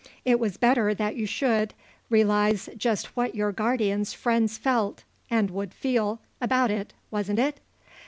It was better that you should, realize just what your guardian's friends felt and would feel about it, wasn't it?"